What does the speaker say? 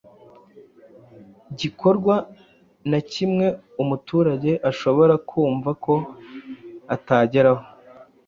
gikorwa na kimwe umuturage ashobora kumva ko atageraho